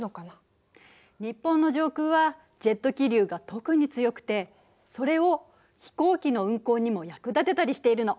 日本の上空はジェット気流が特に強くてそれを飛行機の運航にも役立てたりしているの。